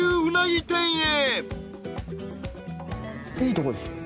いいとこですよ。